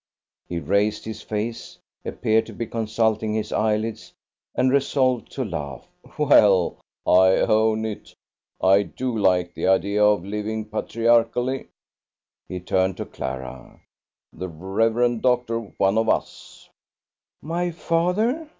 He raised his face, appeared to be consulting his eyelids, and resolved to laugh: "Well, I own it. I do like the idea of living patriarchally." He turned to Clara. "The Rev. Doctor one of us!" "My father?"